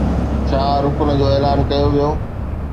ڇا رکڻ جو اعلان ڪيو ويو؟